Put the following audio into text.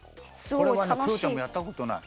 これはクヨちゃんもやったことない。